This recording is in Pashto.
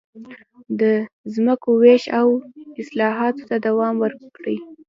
د ځمکو وېش او اصلاحاتو ته دوام ورکړي.